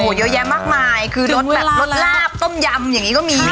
เยอะแยะมากมายคือรสแบบรสลาบต้มยำอย่างนี้ก็มี